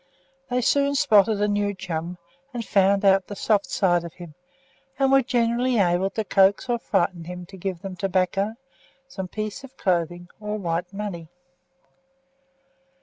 They soon spotted a new chum, and found out the soft side of him; and were generally able to coax or frighten him to give them tobacco, some piece of clothing, or white money.